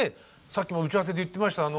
さっきも打ち合わせで言ってました。